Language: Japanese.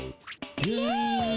イエイ！